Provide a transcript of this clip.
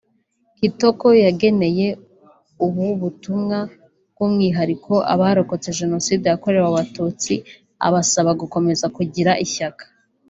Kitoko yageneye ubu butumwa by’umwihariko abarokotse Jenoside yakorewe Abatutsi abasaba gukomeza kugira ishyaka